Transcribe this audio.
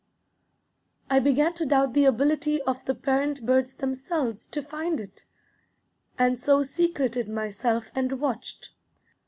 I began to doubt the ability of the parent birds themselves to find it, and so secreted myself and watched.